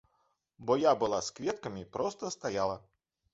Бо я была з кветкамі, проста стаяла.